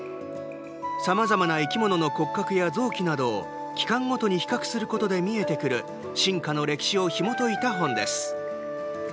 さまざまな生き物の骨格や臓器などを器官ごとに比較することで見えてくる進化の歴史をひもといた本です。